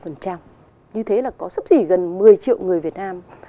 như thế là có sắp rỉ gần một mươi triệu người việt nam